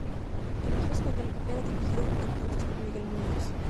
El equipo español era dirigido entonces por Miguel Muñoz.